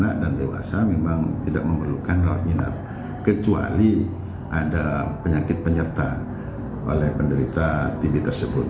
kami memang tidak memerlukan rawat minat kecuali ada penyakit penyerta oleh penderita tbc tersebut